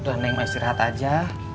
udah naik masih rehat aja